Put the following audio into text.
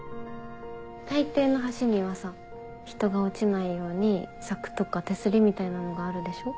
大抵の橋にはさ人が落ちないように柵とか手すりみたいなのがあるでしょ？